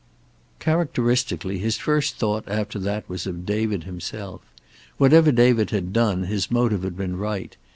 Characteristically his first thought after that was of David himself. Whatever David had done, his motive had been right.